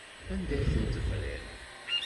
Anda ay ten-tebriḍ?